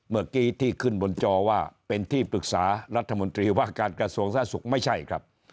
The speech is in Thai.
เมื่อกี้ที่ขึ้นบนจอว่าเป็นที่ปรึกษารัฐมนตรีว่าการกระทรวงสาธารณสุขไม่ใช่ครับ